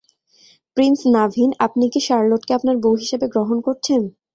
Prince Naveen, আপনি কি শার্লোটকে আপনার বউ হিসেবে গ্রহণ করছেন?